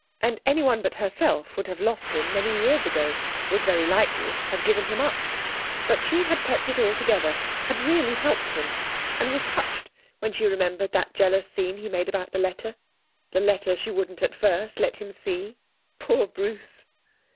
And anyone but herself would have lost him many years ago, would very likely have given him up. But she had kept it all together, had really helped him, and was touched when she remembered that jealous scene he made about the letter. The letter she wouldn't at first let him see. Poor Bruce!